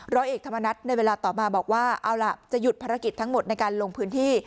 ร้อยเอกธรรมนัฐในเวลาต่อมาบอกว่าเอาล่ะจะหยุดภารกิจทั้งหมดในการลงพื้นที่